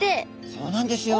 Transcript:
そうなんですよ。